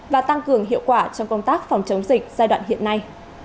và tăng cường hiệu quả trong công tác phòng chống dịch giai đoạn hiện nay